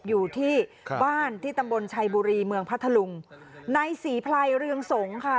อยู่ที่บ้านที่ตำบลชัยบุรีเมืองพัทธลุงในศรีไพรเรืองสงฆ์ค่ะ